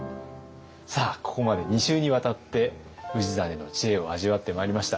さあここまで２週にわたって氏真の知恵を味わってまいりました。